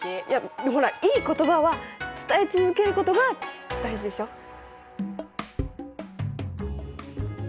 いやほらいい言葉は伝え続けることが大事でしょ。